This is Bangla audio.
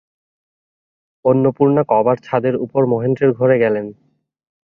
অন্নপূর্ণা কবার ছাদের উপর মহেন্দ্রের ঘরে গেলেন।